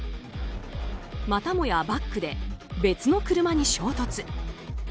またもやバックで別の車に衝突。